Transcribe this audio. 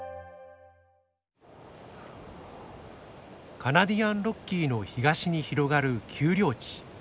カナディアンロッキーの東に広がる丘陵地。